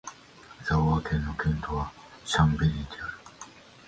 サヴォワ県の県都はシャンベリである